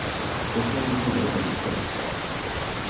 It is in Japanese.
旅行に行くならどこに行きたいですか。